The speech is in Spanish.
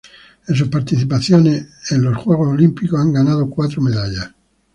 En sus participaciones en los Juegos Olímpicos, han ganado cuatro medallas.